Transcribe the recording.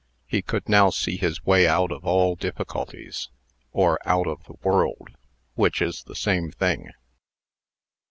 He could now see his way out of all difficulties or out of the world, which is the same thing.